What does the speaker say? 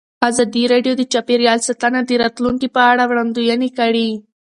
ازادي راډیو د چاپیریال ساتنه د راتلونکې په اړه وړاندوینې کړې.